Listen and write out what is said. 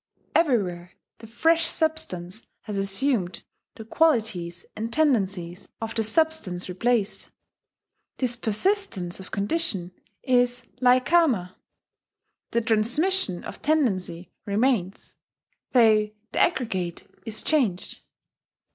Everywhere the fresh substance has assumed the qualities and tendencies of the substance replaced. This persistence of condition is like Karma. The transmission of tendency remains, though the aggregate is changed....